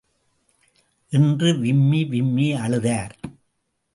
என்று விம்மி விம்மி அழுதார்.